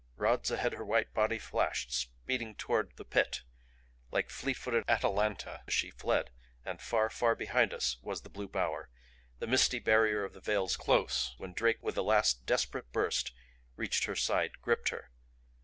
Rods ahead her white body flashed, speeding toward the Pit. Like fleet footed Atalanta she fled and far, far behind us was the blue bower, the misty barrier of the veils close, when Drake with a last desperate burst reached her side, gripped her.